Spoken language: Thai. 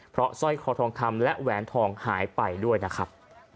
เพราะสร้อยคอทองคำและแหวนทองหายไปด้วยนะครับ